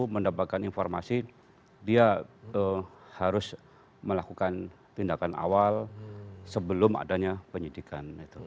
mendapatkan informasi dia harus melakukan tindakan awal sebelum adanya penyidikan